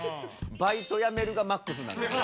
「バイトやめる」がマックスなんです。